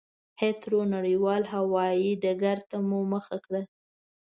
هېترو نړېوال هوایي ډګرته مو مخه کړه.